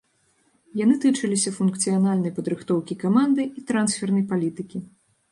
Яны тычыліся функцыянальнай падрыхтоўкі каманды і трансфернай палітыкі.